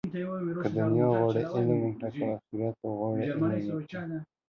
که دنیا غواړې، علم وکړه. که آخرت غواړې علم وکړه